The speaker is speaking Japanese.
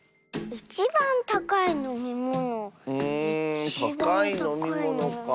うんたかいのみものかあ。